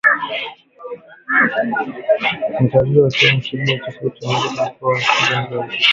Imetayarishwa na Kennes Bwire, Sauti ya Amerika, Mkoa wa Colombia Washington.